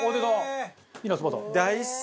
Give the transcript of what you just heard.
大好き！